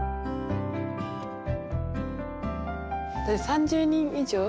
３０人以上？